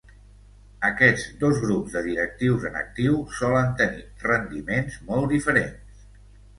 Aquests dos grups de directius en actiu solen tenir rendiments molt diferents.